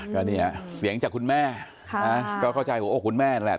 ก็นี่เสียงจากคุณแม่ก็เข้าใจว่าโอ้คุณแม่แหละ